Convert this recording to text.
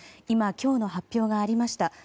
今、今日の発表がありました。